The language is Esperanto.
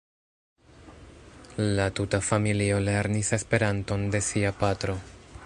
La tuta familio lernis Esperanton de sia patro.